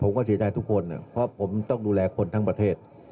ผมก็เสียใจทุกคนเพราะผมต้องดูแลคนทั้งประเทศ